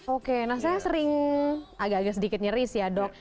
oke nah saya sering agak agak sedikit nyeri sih ya dok